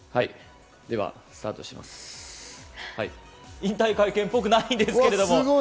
引退会見っぽくないんですけれども。